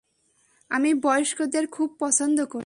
আমি বয়স্কদের খুব পছন্দ করি।